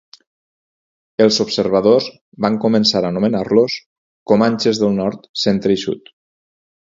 Els observadors van començar a anomenar-los comanxes del nord, centre i sud.